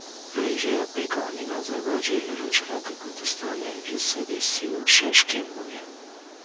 Rêjeya pêkanîna zewacê li Rojhilatê Kurdistanê ji sedî sî û şeş kêm bûye.